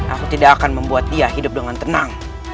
aku tidak akan membuat dia hidup dengan tenang